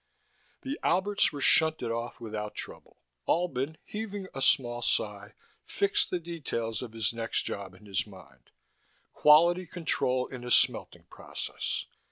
The Alberts were shunted off without trouble. Albin, heaving a small sigh, fixed the details of his next job in his mind: quality control in a smelting process.